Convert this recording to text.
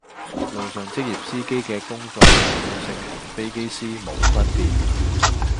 路上職業司機嘅工作重要性同飛機師冇分別